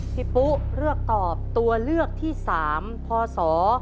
ปุ๊เลือกตอบตัวเลือกที่๓พศ๒๕